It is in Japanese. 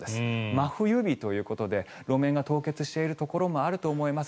真冬日ということで路面が凍結しているところもあると思います。